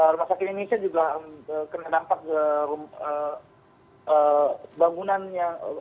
rumah sakit indonesia juga kena dampak bangunan yang